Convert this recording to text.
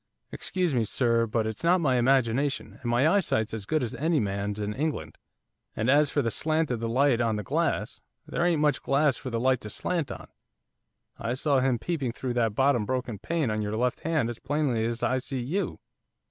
'Excuse me, sir, but it's not my imagination, and my eyesight's as good as any man's in England, and as for the slant of the light on the glass, there ain't much glass for the light to slant on. I saw him peeping through that bottom broken pane on your left hand as plainly as I see you.